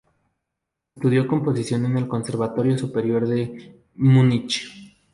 Estudió composición en el Conservatorio Superior de Múnich.